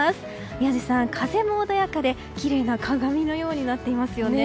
宮司さん、風も穏やかできれいな鏡のようになっていますよね。